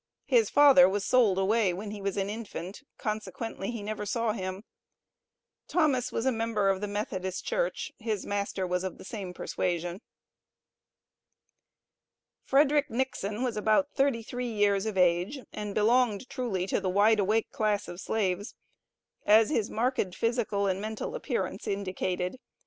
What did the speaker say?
His father was sold away when he was an infant, consequently he never saw him. Thomas was a member of the Methodist Church; his master was of the same persuasion. FREDERICK NIXON was about thirty three years of age, and belonged truly to the wide awake class of slaves, as his marked physical and mental appearance indicated.